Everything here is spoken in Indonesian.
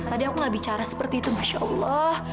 tadi aku gak bicara seperti itu masya allah